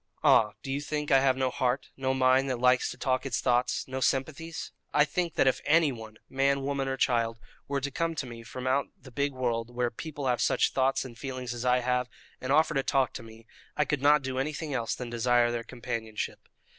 "Ah, do you think I have no heart, no mind that likes to talk its thoughts, no sympathies? I think that if anyone man, woman, or child were to come to me from out the big world, where people have such thoughts and feelings as I have, and offer to talk to me, I could not do anything else than desire their companionship.